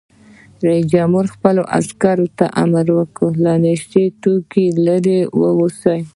رئیس جمهور خپلو عسکرو ته امر وکړ؛ له نشه یي توکو لرې اوسئ!